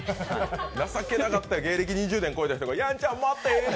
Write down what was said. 情けなかった、芸歴２０年超えた人がやんちゃん待ってって。